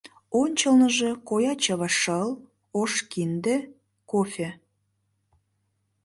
Ончылныжо коя чыве шыл, ош кинде, кофе.